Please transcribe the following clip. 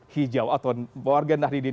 hijau atau warga nahdidin